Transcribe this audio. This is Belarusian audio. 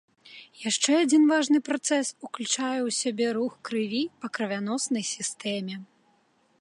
Яшчэ адзін важны працэс уключае ў сябе рух крыві па крывяноснай сістэме.